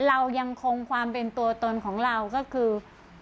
เรายังคงความเป็นตัวตนของเราก็คือ